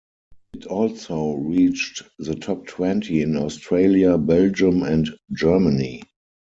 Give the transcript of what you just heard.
It also reached the top twenty in Australia, Belgium, and Germany.